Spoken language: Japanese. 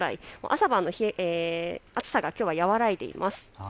朝晩の暑さが和らいでいます。